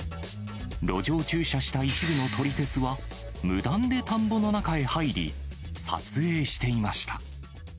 路上駐車した一部の撮り鉄は、無断で田んぼの中へ入り、撮影していました。